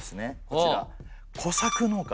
こちら。